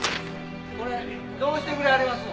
これどうしてくれはりますの？